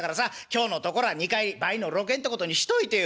今日のところは二荷入り倍の６円てことにしといてよ」。